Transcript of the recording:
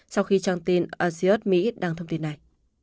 sau khi trang tin asios mỹ đăng thông tin này